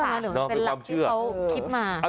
หรือมันเป็นหลักที่เขาคิดมา